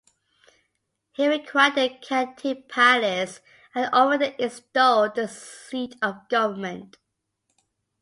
He acquired the Catete Palace and over there installed the seat of government.